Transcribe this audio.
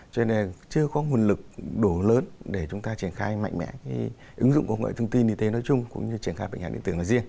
cho nên chưa có nguồn lực đủ lớn để chúng ta triển khai mạnh mẽ ứng dụng công nghệ thông tin y tế nói chung cũng như triển khai bệnh án điện tử nói riêng